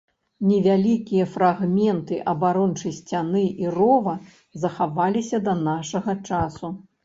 Невялікія фрагменты абарончай сцяны і рова захаваліся да нашага часу.